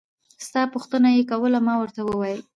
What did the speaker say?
ستا پوښتنه يې کوله ما ورته وويل.